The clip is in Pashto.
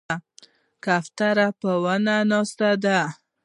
کوتره په ونو ناسته ده.